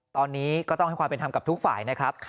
ตอนนี้ก็ต้องให้ความเป็นธรรมกับทุกฝ่ายนะครับ